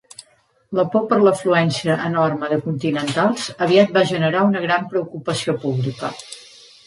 La por per l'afluència enorme de continentals aviat va generar una gran preocupació pública.